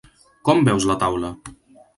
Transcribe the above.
Cóm veus la taula?